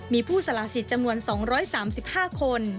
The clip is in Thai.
มีผู้สละสิทธิ์จำนวน๒๓๕คน